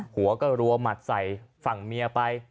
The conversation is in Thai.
หัวก็รัวหมัดใส่ฝั่งเมียไป